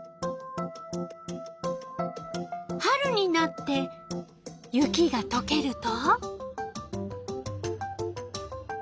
春になって雪がとけると？